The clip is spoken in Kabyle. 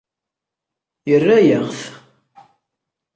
Yerra-yaɣ-t.